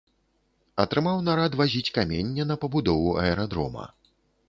Атрымаў нарад вазіць каменне на пабудову аэрадрома.